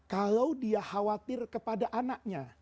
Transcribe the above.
kalau dia khawatir kepada anaknya